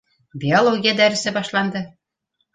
Биология дәресе башланды.